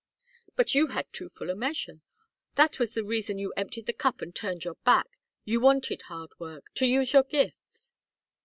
"But you had too full a measure. That was the reason you emptied the cup and turned your back. You wanted hard work to use your gifts."